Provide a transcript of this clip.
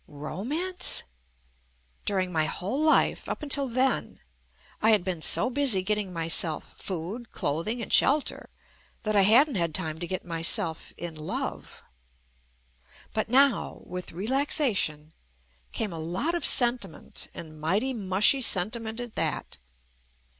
Romance? Dur ing my whole life, up until then, I had been so busy getting myself food, clothing and shelter that I hadn't had time to get myself in love. But now, with relaxation, came a lot of senti ment and mighty mushy sentiment at that.